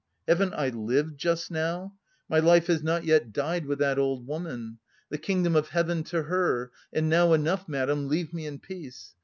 haven't I lived just now? My life has not yet died with that old woman! The Kingdom of Heaven to her and now enough, madam, leave me in peace!